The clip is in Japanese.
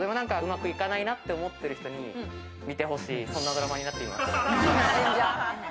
うまくいかないなって思ってる人に見てほしい、そんなドラマになっています。